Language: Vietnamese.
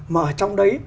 mà ở trong đấy